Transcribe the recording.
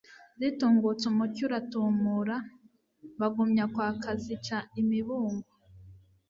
Zitungutse umucyo uratumura Bagumya kwaka zica imibungo